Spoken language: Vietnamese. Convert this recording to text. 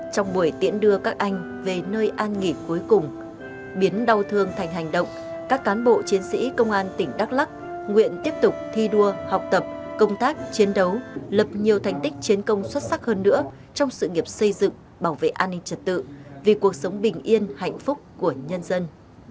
trong buổi tiễn đưa các anh về nơi an nghỉ cuối cùng biến đau thương thành hành động các cán bộ chiến sĩ công an tỉnh đắk lắc nguyện tiếp tục thi đua học tập công tác chiến đấu lập nhiều thành tích chiến công xuất sắc hơn nữa trong sự nghiệp xây dựng bảo vệ an ninh trật tự vì cuộc sống bình yên hạnh phúc của nhân dân